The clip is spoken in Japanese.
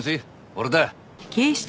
俺だ。